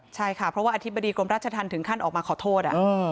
ใช่ค่ะเพราะว่าอธิบดีกรมราชธรรมถึงขั้นออกมาขอโทษ